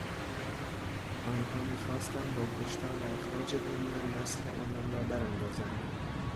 آنها میخواستند با کشتار و اخراج بومیان، نسل آنان را براندازند.